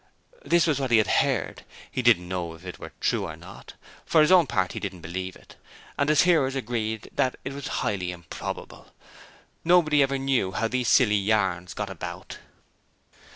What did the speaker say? This was what he had heard he didn't know if it were true or not. For his own part he didn't believe it, and his hearers agreed that it was highly improbable. Nobody ever knew how these silly yarns got about.